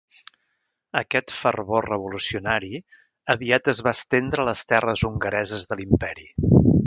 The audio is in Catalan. Aquest fervor revolucionari aviat es va estendre a les terres hongareses de l'Imperi.